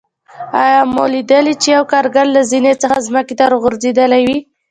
آیا مو لیدلي چې یو کاریګر له زینې څخه ځمکې ته راغورځېدلی وي.